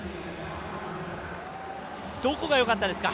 どこがよかったですか？